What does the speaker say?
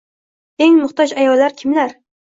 Eng muhtoj ayollar kimlar?